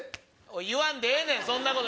言わんでええねんそんなこと。